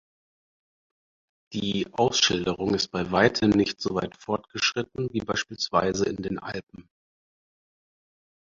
Die Ausschilderung ist bei weitem nicht so weit fortgeschritten wie beispielsweise in den Alpen.